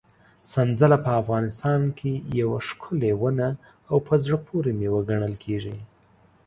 سنځله په افغانستان کې یوه ښکلې ونه او په زړه پورې مېوه ګڼل کېږي.